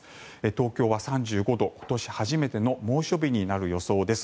東京は３５度、今年初めての猛暑日になる予想です。